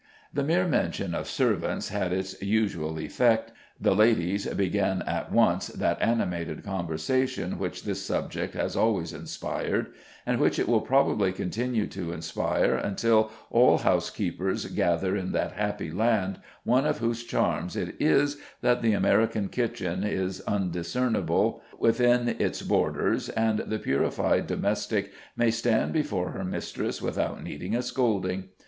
The mere mention of servants had its usual effect; the ladies began at once that animated conversation which this subject has always inspired, and which it will probably continue to inspire until all housekeepers gather in that happy land, one of whose charms it is that the American kitchen is undiscernible within its borders, and the purified domestic may stand before her mistress without needing a scolding.